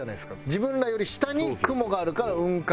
自分らより下に雲があるから雲海じゃないですか。